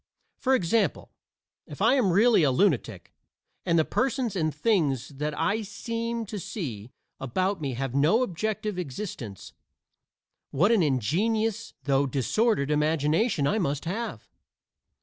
For example, if I am really a lunatic, and the persons and things that I seem to see about me have no objective existence, what an ingenious though disordered imagination I must have!